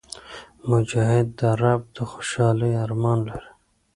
مجاهد د رب د خوشحالۍ ارمان لري.